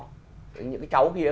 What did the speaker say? những cái cháu kia